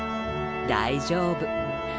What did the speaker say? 大丈夫。